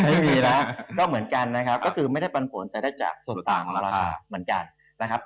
ไม่มีนะก็เหมือนกันนะครับก็คือไม่ได้ปันผลแต่ได้จากส่วนต่างของราคาเหมือนกันนะครับ